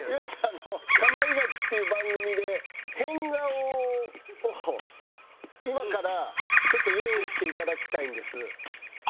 あの『かまいガチ』っていう番組で変顔を今からちょっと用意していただきたいんです。